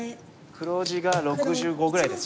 黒地が６５ぐらいですね。